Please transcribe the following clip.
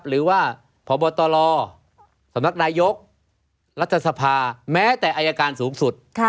หรือว่าพบตรสำนักนายกรัฐสภาแม้แต่อายการสูงสุด